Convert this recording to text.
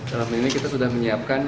dalam ini kita sudah menyiapkan